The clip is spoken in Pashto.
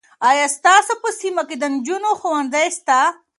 آیا ستاسو په سیمه کې د نجونو ښوونځی سته؟